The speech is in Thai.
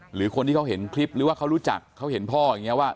หรือคนที่เขาเห็นคลิปหรือว่าเขารู้จักเขาเห็นพ่ออย่างนี้ว่า